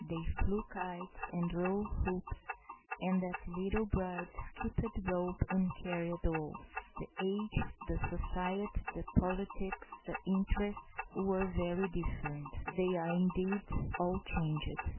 They flew kites and drove hoops, and that little bride skipped rope and carried dolls. The age, the society, the politics, the interests, were very different. They are, indeed, all changed.